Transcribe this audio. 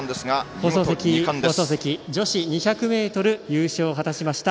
女子２００ｍ優勝を果たしました。